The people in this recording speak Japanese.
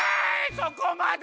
そこまで！